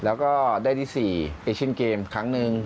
แล้วก็ได้ที่๔เอเชียนเกมครั้งหนึ่ง